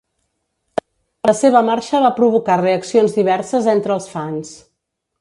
La seva marxa va provocar reaccions diverses entre els fans.